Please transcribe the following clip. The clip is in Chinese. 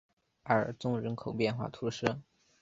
阿尔宗人口变化图示